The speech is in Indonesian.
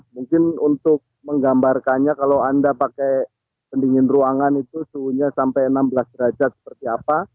mungkin untuk menggambarkannya kalau anda pakai pendingin ruangan itu suhunya sampai enam belas derajat seperti apa